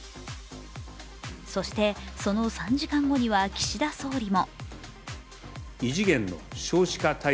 そして、その３時間後には岸田総理も。